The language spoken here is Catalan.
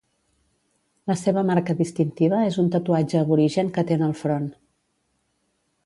La seva marca distintiva és un tatuatge aborigen que té en el front.